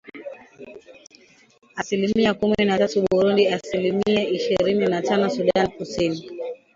asilimia kumi na tatu Burundi asilimia ishirini na tano Sudan Kusini